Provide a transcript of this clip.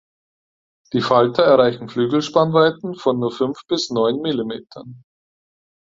Die Falter erreichen Flügelspannweiten von nur fünf bis neun Millimetern.